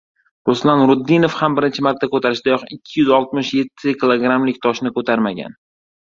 Ruslan Nuriddinov ham birinchi marta koʻtarishidayoq ikki yuz oltmish yetti kglik toshni koʻtarmagan.